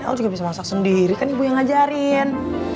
aku juga bisa masak sendiri kan ibu yang ngajarin